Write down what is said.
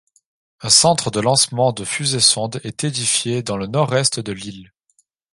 Un centre de lancement de fusées-sondes est édifié dans le nord est de l'île.